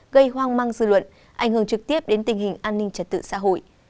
gây hoang mang dư luận ảnh hưởng trực tiếp đến tình hình an ninh trật tự xã hội